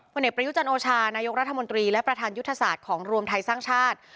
เอกประยุจันโอชานายกรัฐมนตรีและประธานยุทธศาสตร์ของรวมไทยสร้างชาติ